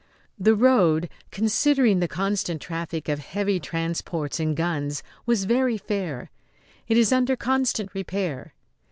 The road, considering the constant traffic of heavy transports and guns, was very fair. It is under constant repair.